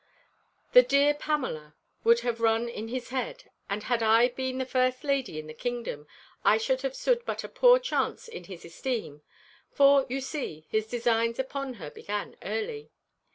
The dear Pamela would have run in his head, and had I been the first lady in the kingdom, I should have stood but a poor chance in his esteem; for, you see, his designs upon her began early."